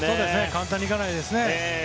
簡単にいかないですね。